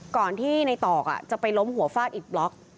ก่อนที่ในตอกจะไปล้มหัวฟาดอิดบล็อก